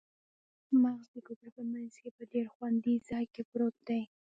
مغز د کوپړۍ په مینځ کې په ډیر خوندي ځای کې پروت دی